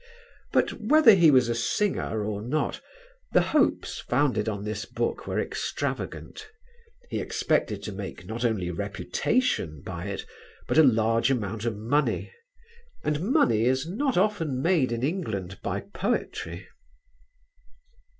But whether he was a singer or not the hopes founded on this book were extravagant; he expected to make not only reputation by it, but a large amount of money, and money is not often made in England by poetry.